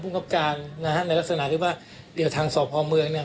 ครับการนะฮะในลักษณะที่ว่าเดี๋ยวทางสอบภอมเมืองเนี่ย